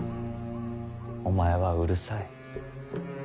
お前はうるさい。